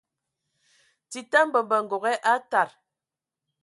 Tita mbembə ngoge aa tad.